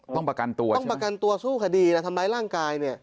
ต้องประกันตัวใช่ไหมครับต้องประกันตัวสู้คดีทำร้ายร่างกาย